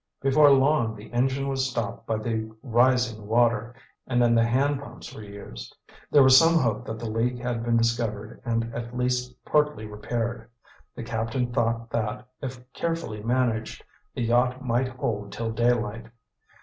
Before long the engine was stopped by the rising water, and then the hand pumps were used. There was some hope that the leak had been discovered and at least partly repaired. The captain thought that, if carefully managed, the yacht might hold till daylight.